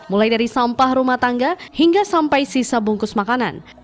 mulai dari sampah rumah tangga hingga sampai sisa bungkus makanan